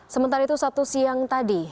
sementara itu satu siang tadi